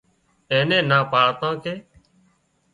اين نين نا پاڙتان ڪي